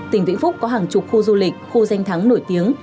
tỉnh vĩnh phúc có hàng chục khu du lịch khu danh thắng nổi tiếng